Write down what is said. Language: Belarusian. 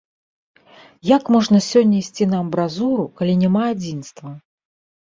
Як можна сёння ісці на амбразуру, калі няма адзінства?